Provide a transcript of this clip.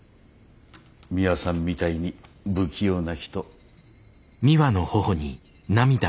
ミワさんみたいに不器用な人。